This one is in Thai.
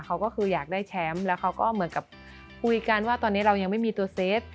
เขาก็คืออยากได้แชมป์แล้วเขาก็เหมือนกับคุยกันว่าตอนนี้เรายังไม่มีตัวเซฟ